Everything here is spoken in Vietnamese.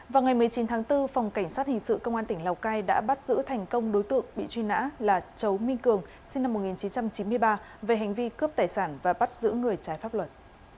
vào ngày một mươi chín tháng bốn phòng cảnh sát hình sự công an tỉnh lào cai đã bắt giữ thành công đối tượng bị truy nã là chấu minh cường sinh năm một nghìn chín trăm chín mươi ba về hành vi cướp tài sản và bắt giữ người trái pháp luật